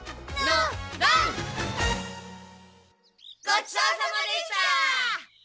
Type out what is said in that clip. ごちそうさまでした！